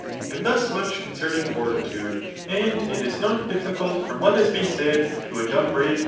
And thus much concerning fortitude. And it is not difficult from what has been said to adum brate what it is.